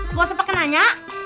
mau sempet nanya